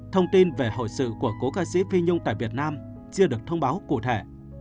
thông tin về hội sự của cố ca sĩ phi nhung tại việt nam chưa được thông báo cụ thể